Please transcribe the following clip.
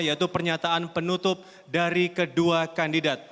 yaitu pernyataan penutup dari kedua kandidat